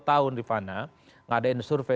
dua tahun rifana ngadain survey